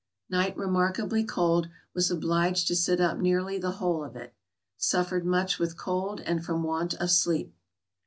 Night remarkably cold, was obliged to sit up nearly the whole of it. Suffered much with cold and from want of sleep.